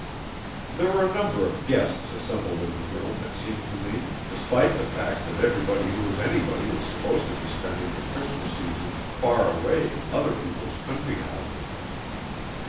There were a number of guests assembled in the room, it seemed to me, despite the fact that everybody who was anybody was supposed to be spending the Christmas season far away in other people's country houses.